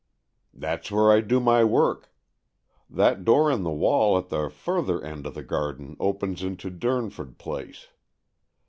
" That's where I do my work. That door in the wall at the further end of the garden opens into Durnford Place.